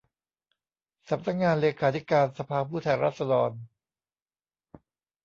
สำนักงานเลขาธิการสภาผู้แทนราษฎร